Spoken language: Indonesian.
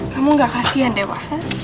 kamu gak kasihan dewa